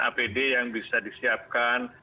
apd yang bisa disiapkan